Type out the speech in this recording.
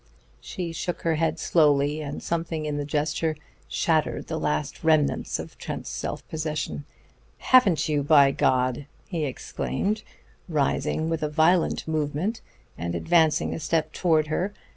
She shook her head slowly, and something in the gesture shattered the last remnants of Trent's self possession. "Haven't you, by God!" he exclaimed, rising with a violent movement and advancing a step towards her.